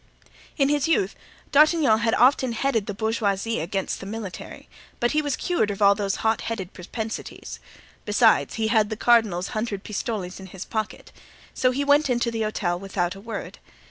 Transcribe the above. In his youth D'Artagnan had often headed the bourgeoisie against the military, but he was cured of all those hot headed propensities; besides, he had the cardinal's hundred pistoles in his pocket, so he went into the hotel without a word.